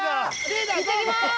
いってきます！